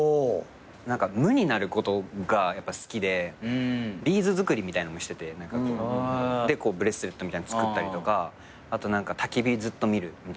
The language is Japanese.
何か無になることがやっぱ好きでビーズ作りみたいなのもしててでこうブレスレットみたいなの作ったりとかあと何かたき火をずっと見るみたいなのとか。